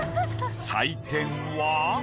採点は。